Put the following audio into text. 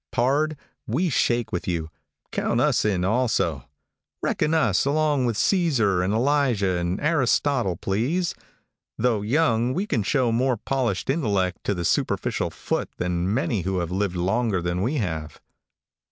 Pard, we shake with you. Count us in also. Reckon us along with Cæsar, and Elijah, and Aristotle, please. Though young, we can show more polished intellect to the superficial foot than many who have lived longer than we have.